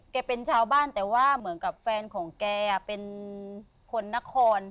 เป็นชาวบ้านแต่ว่าเหมือนกับแฟนของแกเป็นคนนคร